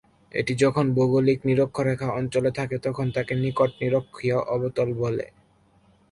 এটি যখন ভৌগোলিক নিরক্ষরেখা অঞ্চলে থাকে, তখন তাকে নিকট-নিরক্ষীয় অবতল বলে।